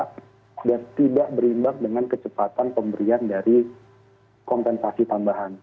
sudah tidak berimbang dengan kecepatan pemberian dari kompensasi tambahan